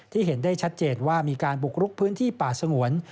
เห็นได้ชัดเจนว่ามีการบุกรุกพื้นที่ป่าสงวน